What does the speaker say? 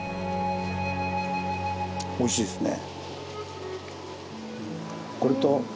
おいしいですね。